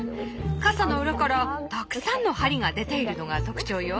かさの裏からたくさんの針が出ているのが特徴よ。